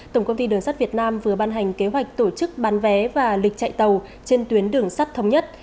tổng công ty đường sắt việt nam vừa ban hành kế hoạch tổ chức bán vé và lịch chạy tàu trên tuyến đường sắt thống nhất